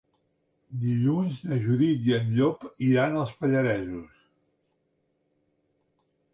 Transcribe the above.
Dilluns na Judit i en Llop iran als Pallaresos.